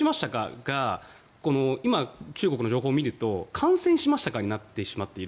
が今の中国の情報を見ると感染しましたかになってしまっている。